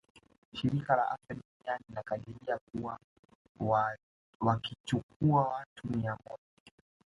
Shirika la afya duniani linakadiria kuwa ukichukua watu mia moja